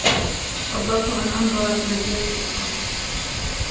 فضلت أن أنظر إلى الجهة الأخرى.